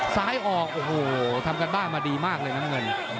ออกโอ้โหทำการบ้านมาดีมากเลยน้ำเงิน